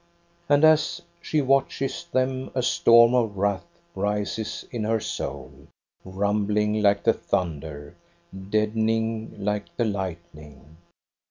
And as she watches them a storm of wrath rises in her soul, rumbling like the thunder, deadening like the lightning.